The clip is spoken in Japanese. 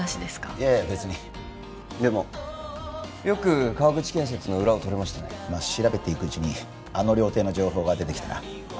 いやいやべつにでもよく川口建設の裏を取れましたね調べていくうちにあの料亭の情報が出てきてなあ